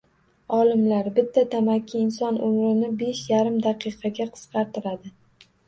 Olimlar: “Bitta tamaki inson umrini besh yarim daqiqaga qisqartiradi”